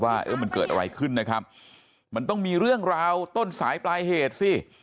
ว่าเออมันเกิดอะไรขึ้นนะครับมันต้องมีเรื่องราวต้นสายปลายเหตุสิ